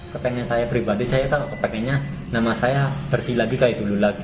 kepengen saya pribadi saya kalau kepengennya nama saya bersih lagi kayak dulu lagi